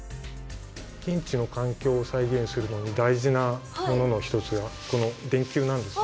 現地の環境を再現するのに大事なものの一つがこの電球なんです。